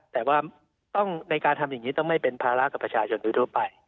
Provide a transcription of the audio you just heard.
แต่ว่าต้องในการทำอย่างนี้ต้องไม่เป็นภาระกับประชาชนโดยทั่วไป